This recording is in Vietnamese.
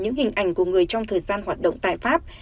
những hình ảnh của người trong thời gian hoạt động tại pháp